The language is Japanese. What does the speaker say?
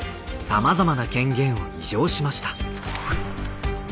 さまざまな権限を移譲しました。